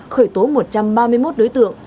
khởi tố một trăm ba mươi một đối tượng